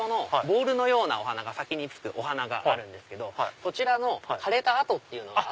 ボールのようなお花が先につくお花があるんですけどそちらの枯れた後っていうのが。